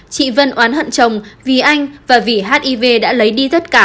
chị vân oán hận chồng vì anh và vì hiv đã lấy đi tất cả của chị